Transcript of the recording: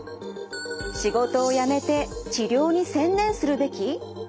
仕事を辞めて治療に専念するべき？